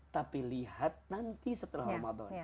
tapi lihat nanti setelah ramadan